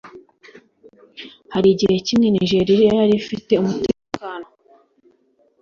Hari igihe kimwe Nigeriya yari ifite umutekano